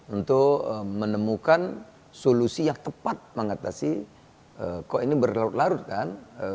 untuk menemukan solusi yang tepat mengatasi kok ini berlarut larut kan